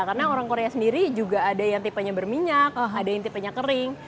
karena orang korea sendiri juga ada yang tipenya berminyak ada yang tipenya kering